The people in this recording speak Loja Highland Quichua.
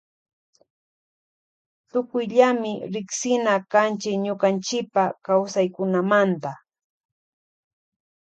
Tukuyllami riksina kanchi ñukanchipa kawsaykunamanta.